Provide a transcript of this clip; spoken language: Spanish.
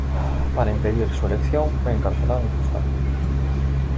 Para impedir su elección fue encarcelada injustamente.